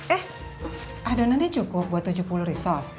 eh adonannya cukup buat tujuh puluh risol